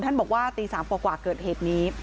ท่านบอกว่าตี๓กว่าเกิดเหตุนี้